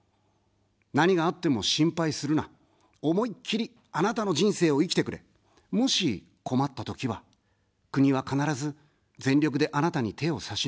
何があっても心配するな、思いっきり、あなたの人生を生きてくれ、もし困ったときは、国は必ず全力であなたに手を差し伸べる。